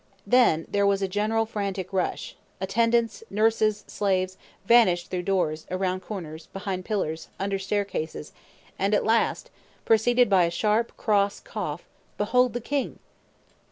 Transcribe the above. Then there was a general frantic rush. Attendants, nurses, slaves, vanished through doors, around corners, behind pillars, under stairways; and at last, preceded by a sharp, "cross" cough, behold the king!